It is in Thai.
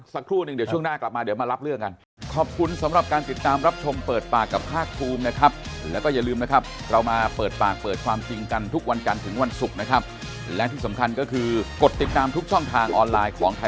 สวัสดีครับพี่เดี๋ยวพักสักครู่นึงเดี๋ยวช่วงหน้ากลับมามารับเรื่องกัน